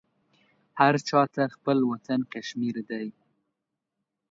هر چاته خپل وطن کشمیر دی